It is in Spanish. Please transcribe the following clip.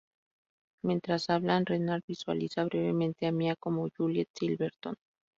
Mientras hablan, Renard visualiza brevemente a Mia como Juliette Silverton.